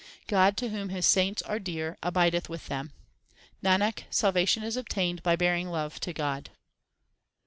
God to whom His saints are dear, abideth with them. Nanak, salvation is obtained by bearing love to God.